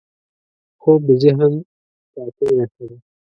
خوب د ذهن پاکۍ نښه ده